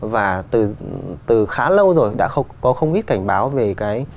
và từ khá lâu rồi đã có không ít cảnh báo về cái